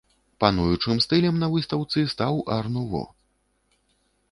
Пануючым стылем на выстаўцы стаў ар-нуво.